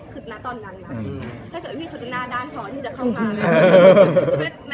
คืดนะตอนนั้นนะถ้าเกิดพี่เขาจะน่าด้านท้อที่จะเข้ามา